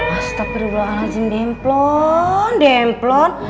astagfirullahaladzim demplon demplon